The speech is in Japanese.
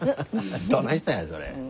どないしたんやそれ。